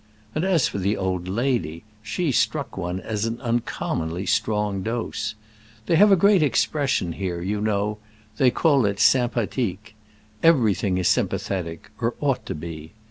And as for the old lady, she struck one as an uncommonly strong dose. They have a great expression here, you know; they call it 'sympathetic.' Everything is sympathetic—or ought to be.